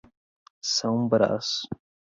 São Brás